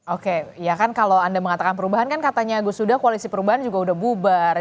oke ya kan kalau anda mengatakan perubahan kan katanya gus duda koalisi perubahan juga sudah bubar